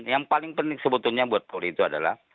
yang paling penting sebetulnya buat polri itu adalah